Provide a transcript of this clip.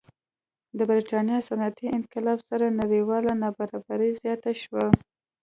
د برېټانیا صنعتي انقلاب سره نړیواله نابرابري زیاته شوه.